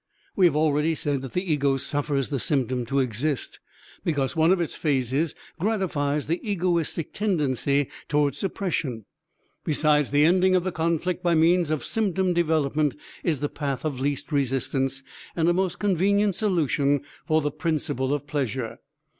We have already said that the ego suffers the symptom to exist, because one of its phases gratifies the egoistic tendency toward suppression. Besides, the ending of the conflict by means of symptom development is the path of least resistance, and a most convenient solution for the principle of pleasure.